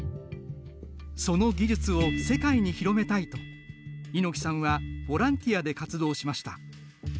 その技術を世界に広めたいと猪木さんはボランティアで活動しました。